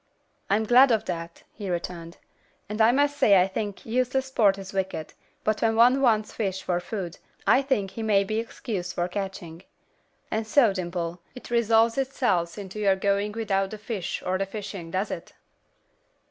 "I'm glad of that," he returned, "and I must say I think useless sport is wicked, but when one wants fish for food, I think he may be excused the catching. And so, Dimple, it resolves itself into your going without the fish or the fishing, does it?"